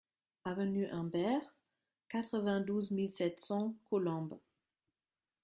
Avenue Humbert, quatre-vingt-douze mille sept cents Colombes